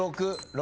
６。